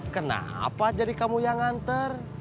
kenapa jadi kamu yang nganter